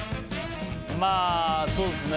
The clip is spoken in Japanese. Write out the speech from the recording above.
まあそうっすね。